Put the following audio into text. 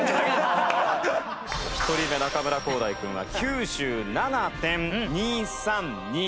１人目中村浩大くんは９７．２３２。